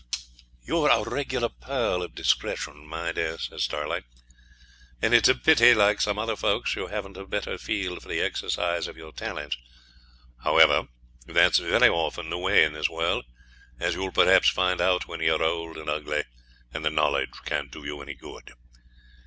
'You're a regular pearl of discretion, my dear,' says Starlight, 'and it's a pity, like some other folks, you haven't a better field for the exercise of your talents. However, that's very often the way in this world, as you'll perhaps find out when you're old and ugly, and the knowledge can't do you any good.